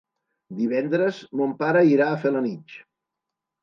Divendres mon pare irà a Felanitx.